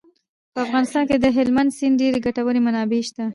په افغانستان کې د هلمند سیند ډېرې ګټورې منابع شته.